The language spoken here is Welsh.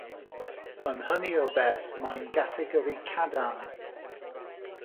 Yn hynny o beth, mae'n gategori cadarn.